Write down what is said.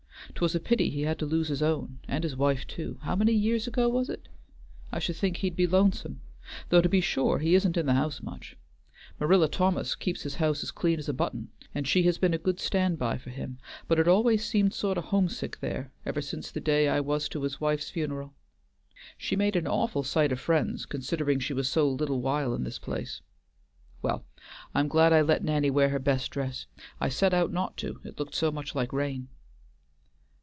'Twas a pity he had to lose his own, and his wife too; how many years ago was it? I should think he'd be lonesome, though to be sure he isn't in the house much. Marilla Thomas keeps his house as clean as a button and she has been a good stand by for him, but it always seemed sort o' homesick there ever since the day I was to his wife's funeral. She made an awful sight o' friends considering she was so little while in the place. Well I'm glad I let Nanny wear her best dress; I set out not to, it looked so much like rain."